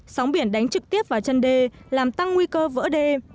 sóng biển đánh trực tiếp vào chân đê làm tăng nguy cơ vỡ đê